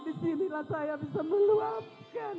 disinilah saya bisa meluapkan